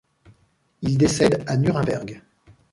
Il décède à Nuremberg.